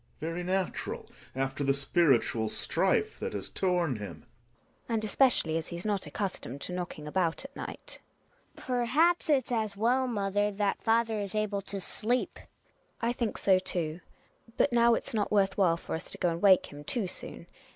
Gregers Very natural after the spiritual strife that has torn him GiNA. And especially as he's not accustomed to knocking about at night Hedvig. Perhaps it's as well, mother, that father is able to sleep. GiNA. I think so, too. But now it's not worth while for us to go and wake him too soon.